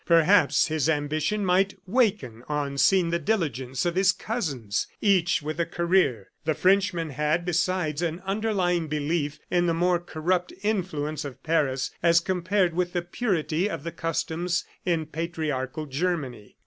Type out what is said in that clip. Perhaps his ambition might waken on seeing the diligence of his cousins, each with a career. The Frenchman had, besides, an underlying belief in the more corrupt influence of Paris as compared with the purity of the customs in Patriarchal Germany.